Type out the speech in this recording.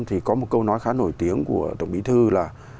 thì có một câu nói khá nổi tiếng của tổng bí thư là